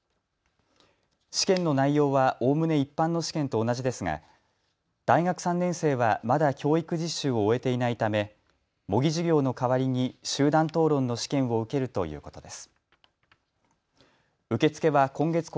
試験の内容はおおむね一般の試験と同じですが大学３年生はまだ教育実習を終えていないため模擬授業の代わりに集団討論の試験を受けるということです。